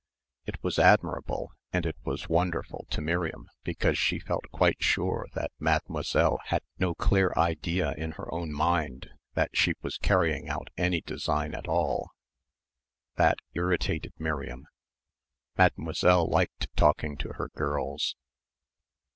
It was admirable and it was wonderful to Miriam because she felt quite sure that Mademoiselle had no clear idea in her own mind that she was carrying out any design at all. That irritated Miriam. Mademoiselle liked talking to her girls.